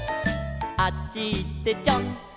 「あっちいってちょんちょん」